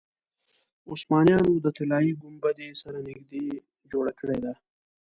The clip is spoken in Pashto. عثمانیانو د طلایي ګنبدې سره نږدې جوړه کړې ده.